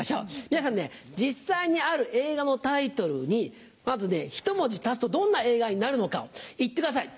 皆さんね実際にある映画のタイトルにまずひと文字足すとどんな映画になるのかを言ってください。